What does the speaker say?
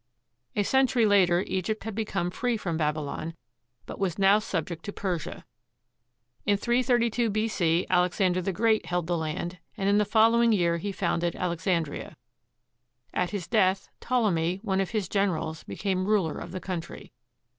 A century later, Egypt had become free from Babylon, but was now subject to Persia. In 332 B.C. Alexander the Great held the land, and in the following year he founded Alexandria. At his death, Ptolemy, one of his generals, became ruler of the country.